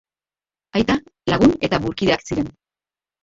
Aita, lagun eta burkideak ziren.